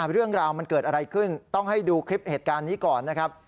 เรื่องราวมันเกิดอะไรขึ้นต้องให้ดูคลิปเหตุการณ์นี้ก่อนนะครับ